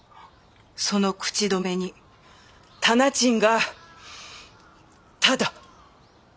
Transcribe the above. その口止めに店賃がただ。